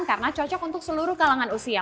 karena cocok untuk seluruh kalangan usia